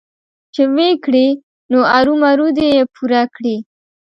چې ويې کړي نو ارومرو دې يې پوره کړي.